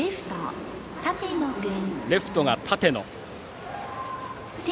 レフトが舘野。